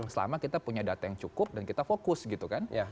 selama kita punya data yang cukup dan kita fokus gitu kan